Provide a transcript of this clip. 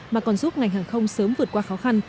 mà còn giúp ngành hàng không sớm vượt qua khó khăn